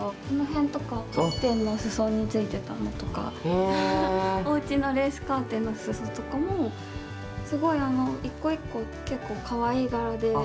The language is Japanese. この辺とかカーテンの裾についてたのとかおうちのレースカーテンの裾とかもすごい一個一個結構かわいいがらで。